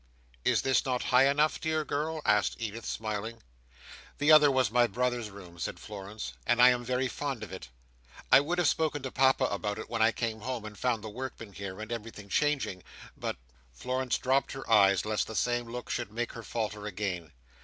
"Is this not high enough, dear girl?" asked Edith, smiling. "The other was my brother's room," said Florence, "and I am very fond of it. I would have spoken to Papa about it when I came home, and found the workmen here, and everything changing; but—" Florence dropped her eyes, lest the same look should make her falter again.